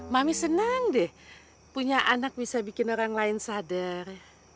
mami senang deh punya anak bisa bikin orang lain sadar